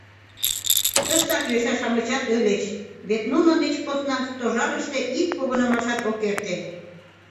Тыштак йоча-шамычат ыльыч — вет нунын деч посна Стожарыште ик погынымашат ок эрте.